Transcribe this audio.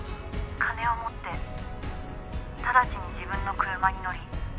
「金を持ってただちに自分の車に乗り